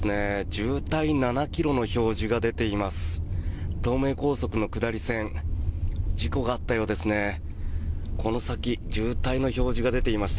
渋滞、７ｋｍの表示が出ています。